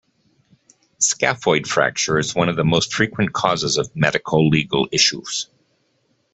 Scaphoid fracture is one of the most frequent causes of medico-legal issues.